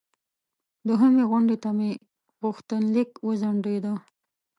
دوهمې غونډې ته مې غوښتنلیک وځنډیده.